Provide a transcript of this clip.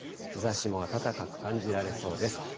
日ざしも暖かく感じられそうです。